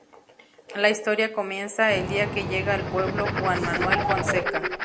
La historia comienza el día que llega al pueblo Juan Manuel Fonseca.